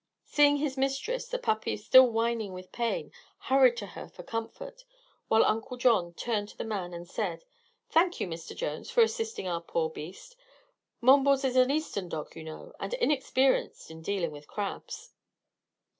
Seeing his mistress, the puppy, still whining with pain, hurried to her for comfort, while Uncle John turned to the man and said: "Thank you, Mr. Jones, for assisting our poor beast. Mumbles is an Eastern dog, you know, and inexperienced in dealing with crabs."